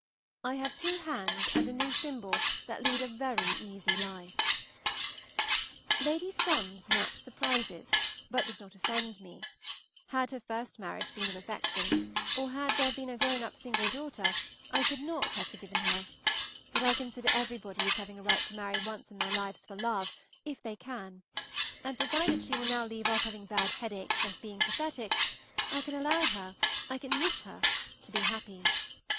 I have two hands and a new thimble that lead a very easy life. Lady Sondes' match surprises, but does not offend me; had her first marriage been of affection, or had there been a grown up single daughter, I should not have forgiven her; but I consider everybody as having a right to marry once in their lives for love, if they can, and provided she will now leave off having bad headaches and being pathetic, I can allow her, I can wish her, to be happy.